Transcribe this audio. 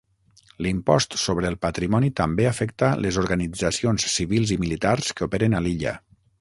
L'impost sobre el patrimoni també afecta les organitzacions civils i militars que operen a l'illa.